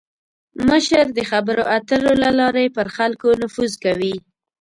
مشر د خبرو اترو له لارې پر خلکو نفوذ کوي.